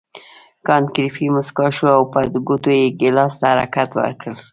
کانت ګریفي مسکی شو او په ګوتو یې ګیلاس ته حرکت ورکړ.